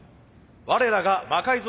我らが魔改造